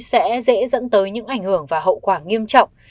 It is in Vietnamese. sẽ dễ dẫn tới những ảnh hưởng và hậu quả nghiêm trọng